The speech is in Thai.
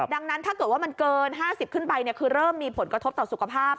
ดังนั้นถ้าเกิดว่ามันเกิน๕๐ขึ้นไปคือเริ่มมีผลกระทบต่อสุขภาพ